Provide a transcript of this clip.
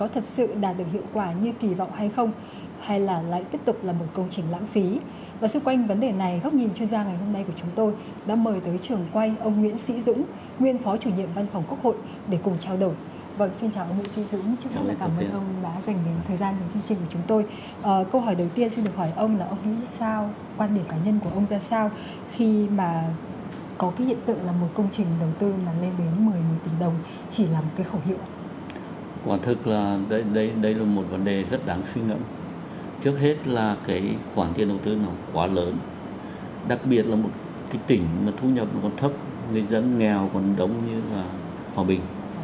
thực ra đây là một vấn đề rất đáng suy ngẫm trước hết là khoản tiền đầu tư quá lớn đặc biệt là một tỉnh thu nhập còn thấp người dân nghèo còn đông như hòa bình